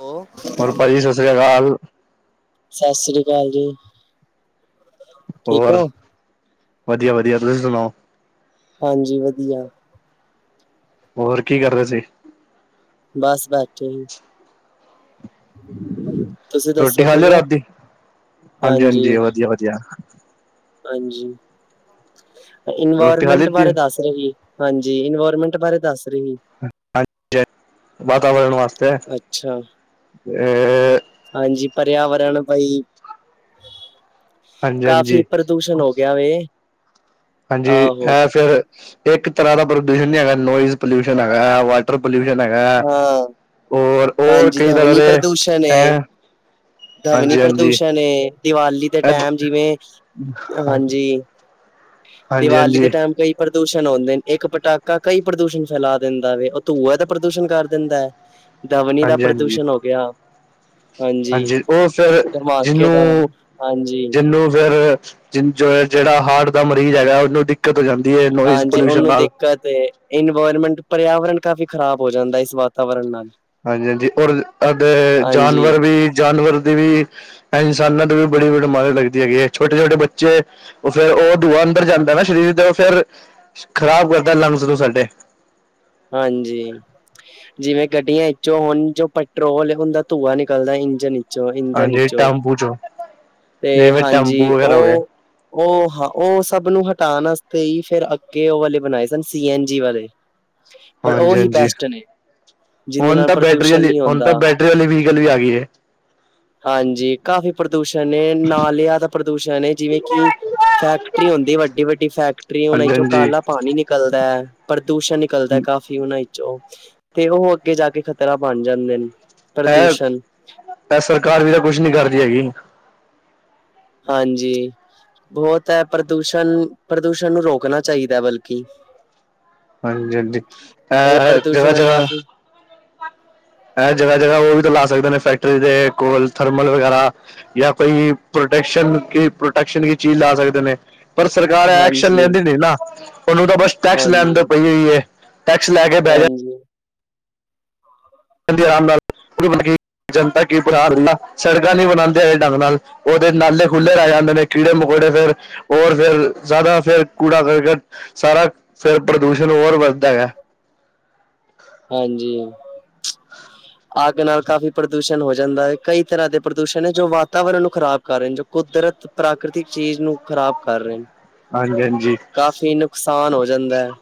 ਓ ਹੋਰ ਭਾਜੀ ਸਤਿ ਸ੍ਰੀ ਅਕਾਲ ਸਾ ਸ੍ਰੀ ਅਕਾਲ ਜੀ, ਠੀਕ ਹੋ। ਵਦੀਆ-ਵਦੀਆ, ਤੁਸੀਂ ਸੁਣਾਓ? ਹਾਂਜੀ ਵਦੀਆ। ਹੋਰ ਕੀ ਕਰ ਰਏ ਸੀ? ਬਸ ਬੈਠੇ ਹੀ। [inaudible] ਤੁਸੀਂ ਦੱਸੋ ਰੋਟੀ ਖਾ ਠੀਕ ਲਈ ਓ? ਰਾਤ ਦੀ ਹਾਂਜੀ। ਹਾਂਜੀ, ਰੋਟੀ ਖਾ ਇਨਵਾਰਮੈਂਟ ਲਿੱਤੀ ਹੈ ਬਾਰੇ ਦੱਸ ਰੇ ਹੀ। ਹਾਂਜੀ, ਇਨਵਾਰਮੈਂਟ ਬਾਰੇ ਦੱਸ ਰੇਹੀ ਵਾਤਾਵਰਨ ਵਾਸਤੇ ਅੱਛਾ ਤੇ ਹਾਂਜੀ ਪਰਿਆਵਰਣ ਭਈ ਹਾਂਜੀ ਹਾਂਜੀ ਕਾਫੀ ਪ੍ਰਦੂਸ਼ਣ ਹੋ ਗਿਆ ਵੇ ਹਾਂਜੀ ਆਹੋ ਏਹ ਫੇਰ ਇੱਕ ਤਰ੍ਹਾਂ ਦਾ ਪ੍ਰਦੂਸ਼ਣ ਨਹੀਂ ਹੈਗਾ। ਨੋਇਜ਼ ਪੋਲਊਸ਼ਨ ਹੈਗਾ ਏ, ਵਾਟਰ ਪੋਲੳਸ਼ਨ ਹੈਗਾ ਹਾਂ ਔਰ ਹੋਰ ਹਾਂਜੀ ਕਈ ਤਰ੍ਹਾਂ ਧਵਨੀ ਦੇ ਪ੍ਰਦੂਸ਼ਣ ਏ ਹੈਂ, ਧਵਨੀ ਹਾਂਜੀ-ਹਾਂਜੀ। ਪ੍ਰਦੂਸ਼ਣ ਏ ਦੀਵਾਲੀ ਦੇ ਟੈਮ ਜਿਵੇਂ ਹਾਂਜੀ ਹਾਂਜੀ ਦੀਵਾਲੀ ਦੇ ਟੈਮ ਕਈ ਪਰ ਪ੍ਰਦੂਸ਼ਣ ਹੁੰਦੇ ਨ ਇੱਕ ਪਟਾਕਾ ਕਈ ਪ੍ਰਦੂਸ਼ਣ ਫੈਲਾ ਦਿੰਦਾ ਵੇ ਉਹ ਧੂਂਆ ਤੇ ਪ੍ਰਦੂਸ਼ਣ ਕਰ ਦਿੰਦਾ ਐ। ਹਾਂਜੀ ਧੱਵਨੀ ਦਾ ਹਾਂਜੀ ਪ੍ਰਦੂਸ਼ਣ ਹੋ ਗਿਆ ਹਾਂਜੀ ਉਹ ਫਿਰ ਧਮਾਕੇਦਾਰ ਜਿਹਨੂੰ, ਹਾਂਜੀ ਜਿਹਨੂੰ ਫਿਰ ਜਿਨ ਜਿਹੜਾ ਹਾੱਰਟ ਦਾ ਮਰੀਜ਼ ਹੈਗਾ, ਉਹਨੂੰ ਦਿੱਕਤ ਹੋ ਜਾਂਦੀ ਹੈ ਨੋਇਜ਼ ਹਾਂਜੀ, ਪੋਲਿਊਸ਼ਨ ਉਹਨੂੰ ਨਾਲ ਦਿੱਕਤ ਏ ਇਨਵਾਰਮੈਂਟ ਪਰਿਆਵਰਨ ਕਾਫ਼ੀ ਖ਼ਰਾਬ ਹੋ ਜਾਂਦਾ ਏ ਇਸ ਵਾਤਾਵਰਨ ਨਾਲ ਹਾਂਜੀ-ਹਾਂਜੀ ਔਰ ੳਧੇ ਹਾਂਜੀ ਜਾਨਵਰ ਵੀ, ਜਾਨਵਰ ਦੀ ਵੀ, ਇਨਸਾਨਾਂ ਦੀ ਵੀ ਬੜੀ- ਬੜੀ ਬਿਮਾਰੀ ਲੱਗਦੀ ਹੈਗੀ ਏ, ਛੋਟੇ-ਛੋਟੇ ਬੱਚੇ ਉਹ ਫੇਰ ਉਹ ਧੂਂਆ ਅੰਦਰ ਜਾਂਦਾ ਨਾ ਸਰੀਰ ਦੇ ਉਹ ਫੇਰ ਖ਼ਰਾਬ ਕਰਦਾ ਲੰਗੱਸ ਨੂੰ ਸਾਡੇ ਹਾਂਜੀ। ਜਿਵੇਂ ਗੱਡੀਆਂ ਇਚੋਂ ਹੁਣ ਜੋ ਪੈਟਰੋਲ ਹੁੰਦਾ ਧੂੰਆ ਨਿਕਲਦਾ ਇੰਜਨ ਵਿੱਚ [unintelligible] ਦਾ ਹਾਂਜੀ ਨਿਚੋੜ, ਟੈਂਪੂ ਚੋਂ ਤੇ ਜਿਵੇਂ ਹਾਂਜੀ ਟੈਂਪੂ ਵਗੈਰਾ ਹੋ ਗਏ ਉਹ ਉਹ ਹਾਂ ਉਹ ਸਭ ਨੂੰ ਹਟਾਣ ਆਸਤੇ ਈ ਫਿਰ ਅੱਗੇ ਉਹ ਵਾਲੇ ਬਣਾਏ ਸਨ, ਸੀ ਐਨ ਜੀ ਵਾਲੇ ਓਰ ਉਹ ਹਾਂਜੀ ਹੀ ਹਾਂਜੀ ਬੈਸਟ ਨੇ। ਜਿਹਦੇ ਹੁਣ ਨਾਲ ਤਾਂ ਬੈਟਰੀ ਪ੍ਰਦੂਸ਼ਣ ਆਲੀ ਨਹੀਂ ਹੁਣ ਹੁੰਦਾ ਤਾਂ ਬੈਟਰੀ ਆਲੀ ਵਈਕਲ ਵੀ ਆ ਗਈ ਏ। ਹਾਂਜੀ ਕਾਫ਼ੀ ਪ੍ਰਦੂਸ਼ਣ ਏ, ਨਾਲਿਆਂ ਦਾ ਪ੍ਰ ਪ੍ਰਦੂਸ਼ਣ ਏ, ਜਿਵੇਂ ਕਿ ਫੈਕਟਰੀ ਹੁੰਦੀ ਵੱਡੀ- ਵੱਡੀ ਫੈਕਟਰੀ, ਉਹਨਾਂ ਹਾਂਜੀ ਚੋਂ ਹਾਂਜੀ ਕਾਲਾ ਪਾਣੀ ਨਿਕਲਦਾ ਪ੍ਰਦੂਸ਼ਣ ਨਿਕਲਦਾ ਕਾਫੀ ਉਹਨਾ ਈਚੋ, ਤੇ ਉਹ ਅੱਗੇ ਜਾ ਕੇ ਖ਼ਤਰਾ ਬਣ ਜਾਂਦੇਨ। ਹੈ, ਸਰਕਾਰ ਵੀ ਤਾਂ ਕੁਛ ਨੀ ਕਰਦੀ ਹੈਗੀ। ਹਾਂਜੀ। ਬਹੁਤ ਐ ਪ੍ਰਦੂਸ਼ਣ, ਪ੍ਰਦੂਸ਼ਣ ਨੂੰ ਰੋਕਣਾ ਚਾਈਦਾ ਬਲਕਿ ਹਾਂਜੀ-ਹਾਂਜੀ, ਇਹ ਐਹ ਜਗਾ- ਪ੍ਰਦੂਸ਼ਣ ਜਗਾ ਕਾਫ਼ੀ ਐ ਜਗਾ-ਜਗਾ ਉਹ ਵੀ ਤਾਂ ਲਾ ਸਕਦੇ ਨੇ ਫੈਕ ਟਰੀ ਦੇ ਕੋਲ ਥਰਮਲ ਵਗੈਰਾ ਯਾਂ ਕੋਈ ਪ੍ਰੋਟੈਕਸ਼ਨ ਕੀ, ਪ੍ਰੋਟੈਕਸ਼ਨ ਕੀ ਚੀਜ਼ ਲਾ ਸਕ ਸਕਦੇ ਨੇ ਪਰ ਸਰਕਾਰ ਐ ਐਕਸ਼ਨ ਹਾਂਜੀ-ਹਾਂਜੀ, ਲੈਂਦੀ ਨੀ ਨਾ ਉਹਨੂੰ ਤਾਂ ਬਸ ਟੈਕਸ ਲੈਣ ਹਾਂਜੀ, ਦੀ ਪਈ ਹੋਈ ਏ। ਟੈਕਸ ਲੈ ਕੇ ਬੈ ਜਾ ਹਾਂਜੀ। [unintelligible] ਆਰਾਮ ਨਾਲ [unintelligible] ਜਨਤਾ ਕੀ ਬਣਾ ਦਿੰਦਾ ਸੜਕਾਂ ਨੀ ਬਣਾਉਂਦੇ ਆ ਢੰਗ ਨਾਲ ਉਹਦੇ ਨਾਲੇ ਖੁੱਲੇ ਰਹਿ ਜਾਂਦੇ ਨੇ ਕੀੜੇ ਮਕੋੜ ਫਿਰ ਹੋਰ ਫਿਰ ਜਿਆਦਾ ਫਿਰ ਕੂੜਾ ਕਰਕਟ ਸਾਰਾ ਫਿਰ ਪ੍ਰਦੂਸ਼ਣ ਹੋਰ ਵਧ ਕਿਦਾ ਹੈ ਹਾਂਜੀ ਅੱਗ ਨਾਲ ਕਾਫੀ ਪ੍ਰਦੂਸ਼ਣ ਹੋਇ ਜਾਂਦਾ ਹੈ ਕਈ ਤਰ੍ਹਾਂ ਦੇ ਪ੍ਰਦੂਸ਼ਣ ਹੈ ਜੋ ਵਾਤਾਵਰਨ ਨੂੰ ਖ਼ਰਾਬ ਕਰ ਰਹੇ ਨੇ ਜੋ ਕੁਦਰਤ ਪ੍ਰਾਕ੍ਰਤਿਕ ਚੀਜ਼ ਨੂੰ ਖਰਾਬ ਕਰ ਰਹੇ ਨੇ ਹਾਂਜੀ-ਹਾਂਜੀ, ਕਾਫੀ ਨੁਕਸਾਨ ਹੋ ਜਾਂਦਾ ਹੈ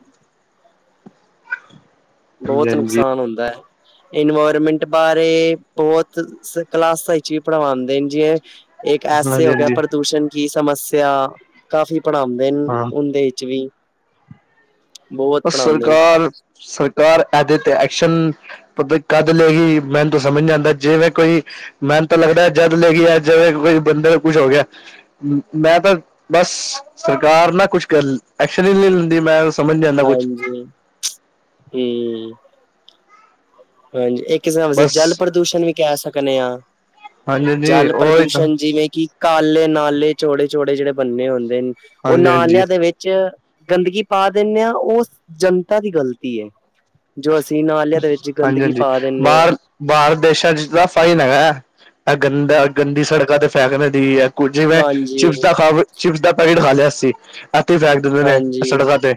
ਬਹੁਤ ਹਾਂਜੀ-ਹਾਂਜੀ ਨੁਕਸਾਨ ਹੁੰਦਾ ਹੈ ਇਨਵਾਇਰਮੈਂਟ ਬਾਰੇ ਬਹੁਤ ਕਲਾਸਾਂ ਵਿੱਚ ਵੀ ਪੜਵਾਉਂਦੇ ਨੇ ਜਿਵੇ ਇੱਕ ਐਸੇ ਹਾਂਜੀ ਹੋ ਗਿਆ ਹਾਂਜੀ ਪ੍ਰਦੂਸ਼ਣ ਕੀ ਸਮੱਸਿਆ ਕਾਫੀ ਪੜਾਉਂਦੇ ਨੇ ਹਾਂ ਉਹਦੇ ਵਿੱਚ ਵੀ ਬਹੁਤ ਪੜ੍ਹਾਉਂਦੇ ਨੇ ਸਰਕਾਰ ਸਰਕਾਰ ਇਹਦੇ ਤੇ ਐਕਸ਼ਨ ਪਤਾ ਕਦ ਲਏਗੀ ਮੈਨੂੰ ਤਾਂ ਸਮਝ ਨਹੀਂ ਆਉਦਾ ਜਿਵੇਂ ਕੋਈ ਮੈਨੂੰ ਤਾਂ ਲੱਗਦਾ ਜਦ ਲੈ ਗਈ ਆ ਜਿਵੇਂ ਬੰਦੇ ਦਾ ਕੁਛ ਹੋ ਗਿਆ ਮੈਂ ਤਾਂ ਬਸ ਸਰਕਾਰ ਨਾ ਕੁਛ ਕਰ ਐਕਸ਼ਨ ਹਦੀ ਮੈਂ ਸਮਝ ਨੀ ਆਉਂਦੀ ਹਾਂਜੀ ਹਮ ਹਾਂਜੀ ਇਹ ਕਿਸ ਤਰ੍ਹਾਂ ਅਸੀਂ ਬਸ ਜਲ ਪ੍ਰਦੂਸ਼ਣ ਵੀ ਕਹਿ ਸਕਦੇ ਹਾਂ ਹਾਂਜੀ ਹਾਂਜੀ ਜਲ ਉਹੀ ਤਾਂ ਪ੍ਰਦੂਸ਼ਣ ਜਿਵੇਂ ਕਿ ਕਾਲੇ ਨਾਲੇ ਚੋੜੇ ਚੋੜੇ ਜਿਹੜੇ ਬੰਨੇ ਹੁੰਦੇ ਨੇ ਉਹ ਹਾਂਜੀ ਹਾਂਜੀ ਨਾਲਿਆ ਦੇ ਵਿੱਚ ਗੰਦਗੀ ਪਾ ਦਿੰਦੇ ਆਂ ਉਹ ਜਨਤਾ ਦੀ ਗ਼ਲਤੀ ਹੈ ਜੋ ਅਸੀਂ ਨਾਲੀਆਂ ਦੇ ਵਿੱਚ ਹਾਂਜੀ ਗੰਦਗੀ ਹਾਂਜੀ ਪਾ ਦਿੰਦੇ ਹਾਂ ਬਾਹਰ ਬਾਹਰ ਦੇਸਾਂ ਚ ਤਾਂ ਫਾਈਨ ਹੈਗਾ ਹੈ ਇਹ ਗੰਦਾ ਗੰਦੀ ਸੜਕਾਂ ਤੇ ਫੈਕਣ ਦੀ ਹੈ ਕੁ ਜਿਵੇਂ ਚਿਪਸ ਦਾ ਹਾਂਜੀ-ਹਾਂਜੀ ਖਾ ਚਿਪਸ ਦਾ ਪੈਕੇਟ ਖਾ ਲਿਆ ਅਸੀਂ ਐਥੇ ਹੀ ਫੈਂਕ ਦਿੰਦੇ ਨੇ ਸੜਕਾਂ ਤੇ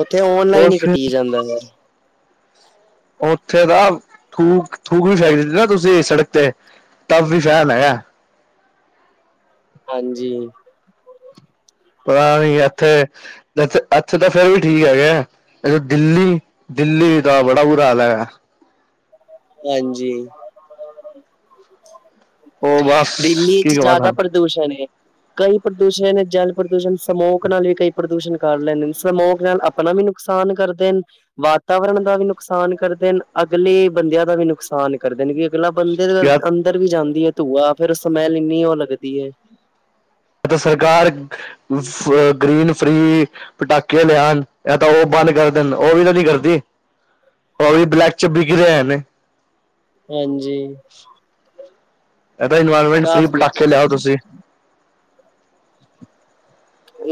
ਉੱਥੇ ਓਨਲਾਈਨ ਈ ਕੱਟੀ ਉਹ ਜਾਂਦਾ ਵੇਖ। ਉੱਥੇ ਦਾ ਥੂਕ ਥੂਕ ਵੀ ਸੜਕ ਤੇ ਤਫ ਵੀ ਚੈਨ ਹੈਗੈ [inaudible] ਪਤਾ ਨੀ ਇੱਥੇ ਇੱਥੇ ਤਾਂ ਫਿਰ ਵੀ ਠੀਕ ਹੈਗੇ ਦਿੱਲੀ ਦਿੱਲੀ ਦਾ ਬੜਾ ਬੁਰਾ ਹਾਲ ਹੈਗਾ ਹਾਂਜੀ ਉਹ ਬਸ ਦਿੱਲੀ ਕੀ ਚ ਕਵਾਂ ਜ਼ਿਆਦਾ ਤੁਹਾਨੂੰ ਪ੍ਰਦੂਸ਼ਣ ਏ। ਕਈ ਪ੍ਰਦੂਸ਼ਣ ਨੇ ਜਲ ਪ੍ਰਦੂਸ਼ਣ ਸਮੋਕ ਨਾਲ ਵੀ ਕਈ ਪ੍ਰਦੂਸ਼ਣ ਕਰ ਲੈਂਦੇ ਨੇ ਸਮੋਕ ਨਾਲ ਆਪਣਾ ਵੀ ਵੀ ਨੁਕਸਾਨ ਕਰਦੇ ਨੇ ਵਾਤਾਵਰਨ ਦਾ ਵੀ ਨੁਕਸਾਨ ਕਰਦੇ ਨੇ ਅਗਲੇ ਬੰਦਿਆਂ ਦਾ ਵੀ ਨੁਕਸਾਨ ਕਰ ਦੇਣਗੇ ਅਗਲਾ ਬੰਦੇ ਦੇ ਯ ਅੰਦਰ ਵੀ ਜਾਂਦੀ ਹੈ ਧੂਆ ਫਿਰ ਸਮੈਲ ਇੰਨੀ ਉਹ ਲੱਗਦੀ ਹੈ ਤਾਂ ਸਰਕਾਰ ਅ ਗ੍ਰੀਨ ਫਰੀ ਪਟਾਕੇ ਲਿਆਉਣ ਇਹ ਤਾਂ ਉਹ ਮਨ ਕਰਦੇ ਨੇ ਉਹ ਵੀ ਤਾਂ ਨੀ ਕਰਦੀ ਪਰ ਵੀ ਬਲੈਕ ਚ ਬਿਕ ਰਹੇ ਨੇ ਹਾਂਜੀ ਇਹ ਤਾਂ ਇਨਵਾਇਰਮੈਂਟ ਫਰੀ ਕਾਫੀ ਪਟਾਕੇੇ ਲਿਆਓ ਤੁਸੀ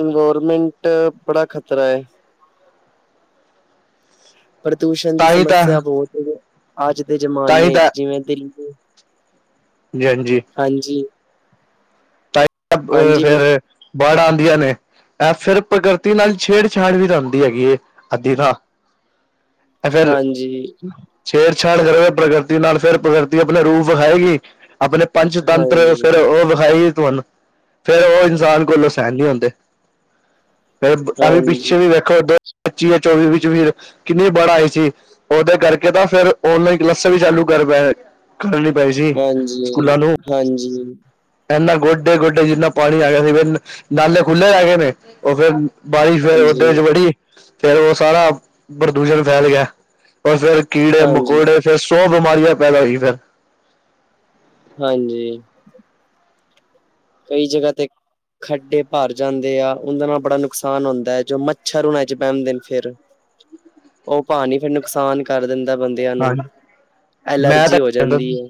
ਇਨਵਰਮੈਂਟ ਬੜਾ ਖ਼ਤਰਾ ਹੈ ਪ੍ਰਦੂਸ਼ਣ ਦੀ ਤਾਂ ਹੀ ਤਾਂ ਸਮੱਸਿਆ ਬਹੁਤ ਅੱਜ ਦੇ ਤਾਂ ਹੀ ਜ਼ਮਾਨੇ ਚ ਤਾਂ ਜਿਵੇਂ ਦਿੱਲੀ ਜੀ ਹਾਂਜੀ ਹਾਂਜੀ ਹਾਂਜੀ ਬੋਲ ਫੇਰ ਬਾੜਾਂ ਆਉਂਦੀਆਂ ਨੇ ਇਹ ਫਿਰ ਪ੍ਰਗਿਰਤੀ ਨਾਲ ਛੇੜਛਾੜ ਵੀ ਤਾਂ ਹੁੰਦੀ ਹੈਗੀ ਅੱਧੀ ਤਾਂ ਇਹ ਫਿਰ ਹਾਂਜੀ ਛੇੜਛਾੜ ਕਰਵੇ ਪ੍ਰਗਿਰਤੀ ਨਾਲ ਫਿਰ ਪ੍ਰਗਿਰਤੀ ਆਪਣੇ ਰੂਹ ਵਿਖਾਏਗੀ ਆਪਣੇ ਪੰਚ ਤੰਤਰ ਫਿਰ ਹਾਂਜੀ ਉਹ ਵਿਖਾਈ ਤੁਹਾਨੂੰ ਫਿਰ ਉਹ ਇਨਸਾਨ ਕੋਲੋਂ ਸਹਿਣ ਨਹੀਂ ਹੁੰਦੇ ਫਿਰ ਅਸੀਂ ਪਿੱਛੇ ਹਾਂਜੀ ਵੀ ਵੇਖੋ ਅੱਗੇ ਪਤੀ ਜਾਂ ਚੋਵੀ ਵਿੱਚ ਕਿੰਨੀ ਬਾੜ ਆਈ ਸੀ ਉਹਦੇ ਕਰਕੇ ਤਾਂ ਫਿਰ ਆਨਲਾਈਨ ਕਲਾਸਾਂ ਵੀ ਚਾਲੂ ਘਰ ਬਹਿ ਕੇ ਕਰਨੀ ਭਾਈ ਸੀ ਹਾਂਜੀ, ਸਕੂਲਾਂ ਨੂੰ ਹਾਂਜੀ, ਇਨਾ ਗੋਡੇ ਗੋਡੇ ਜਿੰਨਾ ਪਾਣੀ ਆ ਗਿਆ ਸੀ ਫਿਰ ਨਾਲੇ ਖੁੱਲੇ ਰਹਿ ਗਏ ਨੇ ਉਹ ਫਿਰ ਬਾਰਿਸ਼ ਫਿਰ ਹੋਰ ਹਾਂਜੀ, ਤੇਜ'ਚ ਵੜੀ ਫਿਰ ਉਹ ਸਾਰਾ ਪ੍ਰਦੂਸ਼ਣ ਫੈਲ ਗਿਆ। ਫਿਰ ਕੀੜੇ, ਹਾਂਜੀ, ਮਕੌੜੇ ਫਿਰ ਸੋ ਬਿਮਾਰੀਆਂ ਪੈਦਾ ਹੋਈ ਫਿਰ ਹਾਂਜੀ ਕਈ ਜਗ੍ਹਾ ਤੇ ਖੱਡੇ ਭਰ ਜਾਂਦੇ ਆ ਉਹਦੇ ਨਾਲ ਬੜਾ ਨੁਕਸਾਨ ਹੁੰਦਾ ਹੈ ਜੋ ਮੱਛਰ ਹੁਣਾ 'ਚ ਬਹਿਣ ਦੇਨੇ ਫਿਰ ਉਹ ਪਾਣੀ ਫਿਰ ਨੁਕਸਾਨ ਕਰ ਦਿੰਦਾ ਬੰਦਿਆਂ ਨੂੰ ਹਾਂਜੀ ਮੈਂ ਤਾਂ ਐਲਰਜੀ ਹੋ ਕਹਿੰਦਾ ਜਾਂਦੀ ਹੈ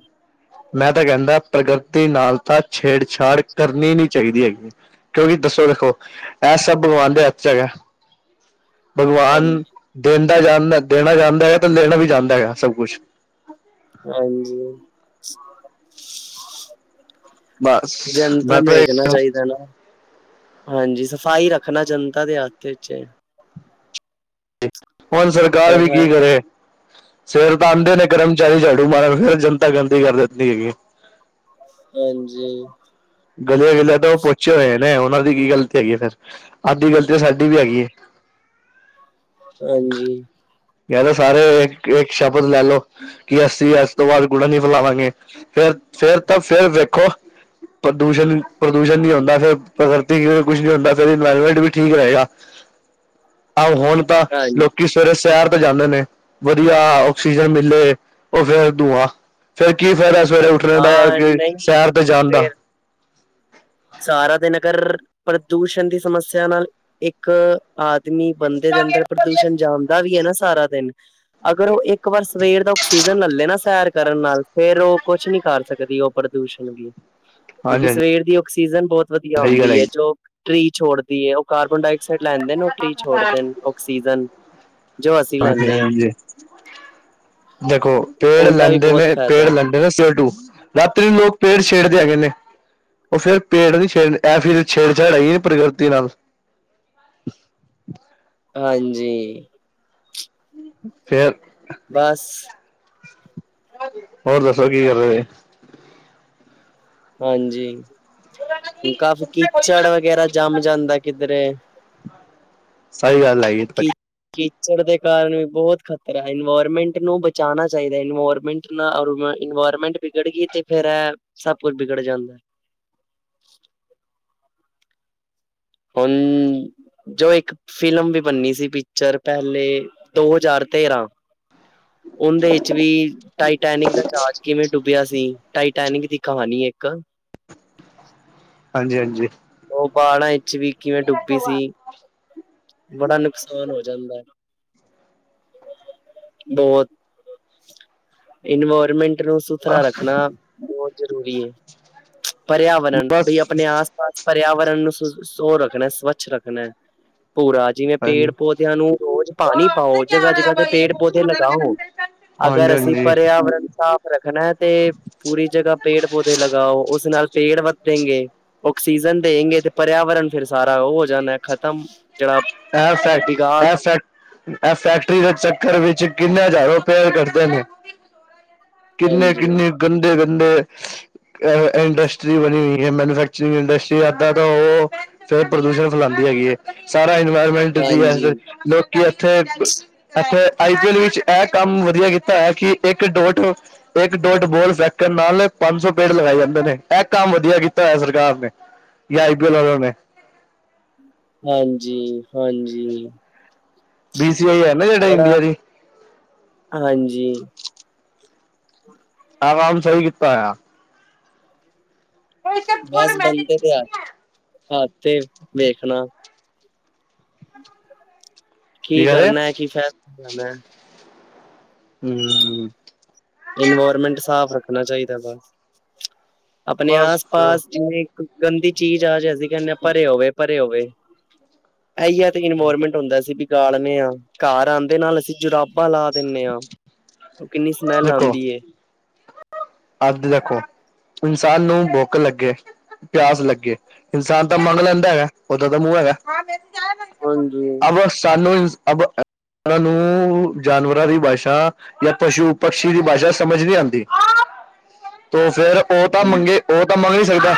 ਮੈਂ ਤਾਂ ਕਹਿੰਦਾ ਪ੍ਰਗਿਰਤੀ ਨਾਲ ਤਾਂ ਛੇੜਛਾੜ ਕਰਨੀ ਨੀ ਚਾਹੀਦੀ ਹੈਗੀ ਕਿਉਂਕਿ ਦੱਸੋ ਦੇਖੋ ਇਹ ਸਭ ਭਗਵਾਨ ਦੇ ਹੱਥ ਹੈਗਾ ਭਗਵਾਨ ਹਾਂਜੀ ਦੇਦਾ ਜਾਂਦਾ ਦੇਣਾ ਜਾਣਦਾ ਹੈਗਾ ਤਾਂ ਲੇਨਾ ਵੀ ਜਾਣਦਾ ਸਭ ਕੁਛ ਹਾਂਜੀ ਬਸ ਜੰਤਰ ਮੈਂ ਤਾਂ ਵੇਖਣਾ ਇਹ ਚਾਹੀਦਾ ਨਾ ਹਾਂਜੀ ਸਫ਼ਾਈ ਰੱਖ ਹਨਾ ਜਨਤਾ ਦੇ ਹੱਥ 'ਚ ਹੁਣ ਸਰਕਾਰ ਵੀ ਕੀ ਸਫ਼ਾਈ ਕਰੇ ਸਵੇਰੇ ਤਾਂ ਆਉਂਦੇ ਨੇ ਕਰਮਚਾਰੀ ਝਾੜੂ ਮਾਰਨ ਫਿਰ ਜਨਤਾ ਗੰਦੀ ਕਰ ਦਿੰਦੀ ਹੈਗੀ। ਹਾਂਜੀ ਗਲੀਆਂ- ਗਲੀਆਂ ਤੋਂ ਪਹੁੰਚੇ ਹੋਏ ਨੇ। ਨਹੀਂ ਉਹਨਾਂ ਦੀ ਕੀ ਗ਼ਲਤੀ ਹੈਗੀ ਹੈ ਫਿਰ ਅੱਧੀ ਗ਼ਲਤੀ ਸਾਡੀ ਵੀ ਹੈਗੀ ਹੈ। ਹਾਂਜੀ ਕ ਤਾਂ ਸਾਰੇ ਇੱਕ ਸ਼ਬਦ ਲੈ ਲਓ ਕਿ ਅਸੀਂ ਇਸ ਤੋਂ ਬਾਅਦ ਕੂੜਾ ਨੀ ਫੈਲਾਵਾਂਗੇ ਫੇਰ ਫੇਰ ਤਾਂ ਫਿਰ ਵੇਖੋ। ਪ੍ਰਦੂਸ਼ਣ -ਪ੍ਰਦੂਸ਼ਣ ਨਹੀਂ ਹੁੰਦਾ ਫਿਰ ਪ੍ਰਕਤੀ ਕੁਛ ਨੀ ਹੁੰਦਾ ਫਿਰ ਇਨਵਾਇਰਮੈਂਟ ਵੀ ਠੀਕ ਰਹੇਗਾ। ਆਹ ਹੁਣ ਤਾਂ ਹਾਂਜੀ ਲੋਕੀ ਸਵੇਰੇ ਸੈਰ ਜਾਂਦੇ ਨੇ ਵਧੀਆ ਆਕਸੀਜਨ ਮਿਲੇ ਉਹ ਫੇਰ ਧੂੰਆਂ ਫੇਰ ਕੀ ਫਾਇਦਾ ਸਵੇਰੇ ਉੱਠ ਦਾ ਹਾਂ ਨਹੀਂ ਸ਼ੈਰ ਤੇ ਜਾਣ ਦਾ ਫੇਰ ਸਾਰਾ ਦਿ ਨਗਰ ਪ੍ਰਦੂਸ਼ਣ ਦੀ ਸਮੱਸਿਆ ਨਾਲ ਇੱਕ ਆ ਆਦਮੀ ਬੰਦੇ ਦੇ ਅੰਦਰ ਪ੍ਰਦੂਸ਼ਣ ਜਾਣਦਾ ਵੀ ਹੈ ਨਾ ਸਾਰਾ ਦਿਨ ਅਗਰ ਉਹ ਇੱਕ ਵਾਰ ਸਵੇਰ ਦਾ ਆਕਸੀਜਨ ਲੈੇ ਨਾ ਸੈਰ ਕਰਨ ਨਾਲ ਫੇਰ ਉਹ ਕੁਛ ਨੀ ਕਰ ਸਕਦੀ ਉਹ ਪ੍ਰਦੂਸ਼ਣ ਵੀ ਹਾਂਜੀ ਕਿਉਂਕਿ ਹਾਂਜੀ ਸਵੇਰ ਦੀ ਆਕਸੀਜਨ ਬਹੁਤ ਵਧੀਆ ਸਹੀ ਗੱਲ ਹੁੰਦੀ ਹੈ ਜੀ। ਜੋ ਟਰੀ ਛੋੜਦੀ ਹੈ ਉਹ ਕਾਰ ਡਾਕਿਸਾਈਡ ਲੈਂਦੇ ਨੇ ਉਹ ਟਰੀ ਛੋੜਦੇ ਨੇ ਆਕਸੀਜਨ ਜੋ ਅਸੀਂ ਹਾਂਜੀ ਲੈਂਦੇ ਆਂ। ਹਾਂਜੀ ਜੀ। ਦੇਖੋ ਪੇੜ ਉਹਦਾ ਵੀ ਲੈਂਦੇ ਬਹੁਤ ਨੇ ਫਾਇਦਾ ਪੇੜ ਹੈ ਲੈਂਦੇ ਨੇ ਸਿਰ ਟੂ ਰਾਤੀ ਵੀ ਲੋਗ ਪੇੜ ਛੇੜਦੇ ਹੈਗੇ ਨੇ। ਉਹ ਫਿਰ ਪੇੜ ਨਹੀਂ ਛੇੜ ਐ ਫਿਰ ਛੇੜਛਾੜ ਆਈ ਨਹੀਂ ਪ੍ਰਕਿਰਤੀ ਨਾਲ ਹਾਂਜੀ ਫੇਰ ਬਸ ਹੋਰ ਦੱਸੋ ਕੀ ਕਰਦੇ ਪਏ। ਹਾਂਜੀ ਕਾਫੀ ਕੀਚੜ ਵਗੈਰਾ ਜਮ ਜਾਂਦਾ ਕਿਧਰੇ ਸਹੀ ਗੱਲ ਹੈਗੀ। ੜ ਦੇ ਕਾਰਨ ਵੀ ਬਹੁਤ ਖ਼ਤਰਾ ਹੈ ਇਨਵਾਇਰਮੈਂਟ ਨੂੰ ਬਚਾਉਣਾ ਚਾਹੀਦਾ ਇਨਵਾਇਰਮੈਂਟ ਨਾਲ ਗਵਰਮੈਂਟ ਵਿਗੜ ਗਈ ਤੇ ਫੇਰ ਸਭ ਕੁਛ ਵਿਗੜ ਜਾਂਦਾ। ਮ [unintelligible] ਹੁਣ ਜੋ ਇੱਕ ਫਿਲਮ ਵੀ ਬੰਨੀ ਸੀ ਪਿਕਚਰ ਪਹਿਲੇ ਦੋ ਹਜ਼ਾਰ ਤੇਰਾਂ ਉਹਦੇ ਵਿੱਚ ਵੀ ਟਾਈਟੈਨਿਕ ਟੈਨਿਕ ਦੀ ਕਹਾਣੀ ਇੱਕ ਹਾਂਜੀ-ਹਾਂਜੀ ਉਹ ਪਹਾੜਾਂ ਵਿੱਚ ਵੀ ਕਿਵੇਂ ਡੁੱਬੀ ਸੀ, ਬੜਾ ਨੁਕਸਾਨ ਹੋ ਜਾਂਦਾ। ਬਹੁਤ ਇਨਵਾਇਰਮੈਂਟ ਨੂੰ ਸੁਥਰਾ ਰੱਖਣਾ ਬਹੁਤ ਜਰੂਰੀ ਏ। ਪਰਿਆਵਰਣ ਵੀ ਬਸ ਆਪਣੇ ਆਸ -ਪਾਸ ਪਰਿਆਵਰਣ ਨੂੰ ਸੁ ਸੋ ਰੱਖਣਾ ਸਵੱਛ ਰੱਖਣਾ ਪੂਰਾ, ਜਿਵੇਂ ਪੇੜ ਹਾਂਜੀ ਪੌਦਿਆਂ ਨੂੰ ਰੋਜ਼ ਪਾਣੀ ਪਾਓ। ਜਗ੍ਹਾ-ਜਗ੍ਹਾ ਤੇ ਪੇੜ ਪੌਦੇੇ ਲਗਾਓ। ਹਾਂਜੀ ਅਗਰ ਅਸੀਂ ਹਾਂਜੀ ਪਰਿਆਵਰਣ ਨੂੰ ਸਾਫ਼ ਰੱਖਣਾ ਹੈ, ਤੇ ਪੂਰੀ ਜਗ੍ਹਾ ਪੇੜ -ਪੌਦੇ ਲਗਾਓ ਉਸ ਨਾਲ ਪੇੜ ਵੱਧੇਗੇ, ਆਕਸੀਜਨ ਦੇਂਗੇ ਤੇ ਪਰਿਆਵਰਨ ਫਿਰ ਸਾਰਾ ਉਹ ਹੋ ਜਾਂਦਾ ਖ਼ਤਮ। ਜਿਹੜਾ ਅ ਬਿਗਾੜ ਸ-ਅ ਸ। ਇਹ ਫੈਕਟਰੀ ਦੇ ਚੱਕਰ ਵਿੱਚ ਕਿੰਨੇ ਹਜ਼ਾਰੋ ਪੇੜ ਕੱਟਦੇ ਨੇ। ਹਾਂਜੀ ਕਿੰਨੇ-ਕਿੰਨੇ ਗੰਦੇ-ਗੰਦੇ ਅ ਇੰਡਸਟਰੀ ਬਣੀ ਹੋਈ। ਮੈਨੂਫੈਕਚਰਿੰਗ ਇੰਡਸਟਰੀ ਇੱਦਾਂ ਤਾਂ ਉਹ ਫੇਰ ਪ੍ਰਦੂਸ਼ਣ ਫੈਲਾਂਦੀ ਹੈਗੀ ਏ ਸ ਇਨਵਾਇਰਮੈਂਟ ਦੀ ਹੈ ਹਾਂਜੀ ਲੋਕੀ ਇੱਥੇ- ਇਥੇ ਆਈ ਪੀ ਐਲ ਵਿੱਚ ਇਹ ਕੰਮ ਵਧੀਆ ਕੀਤਾ ਹੈ ਕਿ ਇੱਕ ਡੋਟ-ਇੱਕ ਡੋਟ ਬੋਲ ਫੈਂਕਣ ਨਾਲ ਪੰਜ ਸੌ ਪੇੜ ਲਗਾਏ ਜਾਂਦੇ ਨੇ, ਇਹ ਕੰਮ ਵਧੀਆ ਕੀਤਾ ਹੋਇਆ ਸਰਕਾਰ ਨੇ ਜਾਂ ਆਈ ਪੀ ਐਲ ਆਲਿਆਂ ਨੇ। ਹਾਂਜੀ- ਹਾਂਜੀ, ਬੀਸੀਆਈ ਹੈ ਨਾ ਜਿਹੜਾ ਬੜਾ ਇੰਡੀਆ ਦੀ ਹਾਂਜੀ। ਇਹ ਕੰਮ ਸਹੀ ਕੀਤਾ ਹੋਇਆ। ਬਸ ਬੰਦੇ ਤੇ ਐ, ਐਥੇ ਵੇਖਣਾ। ਕੀ ਕਹ ਰਹੇ ਕਰਨਾ ਐ, ਕੀ ਫੈਸਲਾ ਲੈਣਾ? ਹੂੰ, ਹੂੰ, ਇਨਵਾਇਰਮੈਂਟ ਸਾਫ਼ ਰੱਖਣਾ ਚਾਹੀਦਾ ਬੱਸ। ਆਪਣੇ ਬਸ ਆਸ ਫਿਰ ਪਾਸ ਜਿੰਨੇ ਗੰਦੀ ਚੀਜ਼ ਆ, ਜੇ ਅਸੀਂ ਕਹਿੰਦੇ ਆਂ ਭਰੇ ਹੋਵੇ- ਭਰੇ ਹੋਵੇ। ਇਹੀ ਹੈ ਤੇ ਇਨਵਾਇਰਮੈਂਟ ਹੁੰਦਾ ਅਸੀ ਬਿਗਾੜਨੇ ਹਾਂ, ਘਰ ਆਂਦੇ ਨਾਲ ਅਸੀਂ ਜੁਰਾਬ ਪਾਂ ਲਾ ਦਿੰਨੇ ਆ, ਉਹ ਕਿੰਨੀ ਸਮੈਲ ਦੇਖੋ ਆਂਦੀ ਏ। ਅੱਜ ਦੇਖੋ ਇਨਸਾਨ ਨੂੰ ਭੁੱਖ ਲੱਗੇ ਪਿਆਸ ਲੱਗੇ, ਇਨਸਾਨ ਤਾਂ ਮੰਗ ਲੈਂਦਾ ਹੈਗਾ ਉਹਦਾ ਤਾਂ ਮੂੰਹ ਹੈ ਹਾਂਜੀ ਅਗਰ ਸਾਨੂੰ ਅ ਬ ਨੂੰ [inaudible] ਜਾਨਵਰਾਂ ਦੀ ਭਾਸ਼ਾ ਜਾਂ ਪਸ਼ੂ ਪਕਸ਼ੀ ਦੀ ਭਾਸ਼ਾ ਸਮਝ ਨੀ ਆਂਦੀ। ਤੇ ਫੇਰ ਉਹ ਤਾਂ ਮੰਗੇ ਉਹ ਤਾਂ ਮੰਗੇ ਦਾ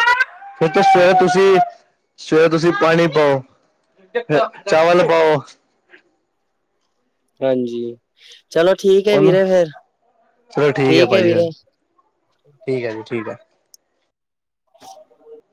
ਹੁਣ ਤਾਂ ਸਵੇਰੇ ਤੁਸੀਂ- ਸਵੇਰੇ ਤੁਸੀਂ ਪਾਣੀ ਪਾਓ ਚਾਵਲ ਪਾਓ। ਹਾਂਜੀ ਚਲੋ ਠੀਕ ਹੈ ਉਹਨੂੰ ਵੀਰੇ, ਫੇਰ ਚਲੋ ਠੀਕ ਹੈ ਭਾਜੀ ਫਿਰ ਵੀਰੇ। ਠੀਕ ਹੈ ਜੀ, ਠੀਕ ਐ। [unintelligible]